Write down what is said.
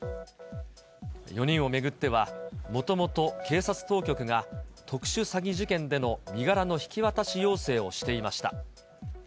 ４人を巡っては、もともと警察当局が、特殊詐欺事件での身柄の引き渡し要請をしていました。